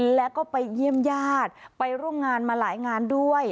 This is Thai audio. แล้วก็ไปเยี่ยมญาติไปร่วมงานมาหลายงานด้วย